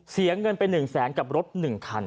เสียเงินไปหนึ่งแสนกับรถหนึ่งคัน